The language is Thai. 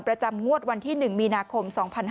ประจำงวดวันที่๑มีนาคม๒๕๕๙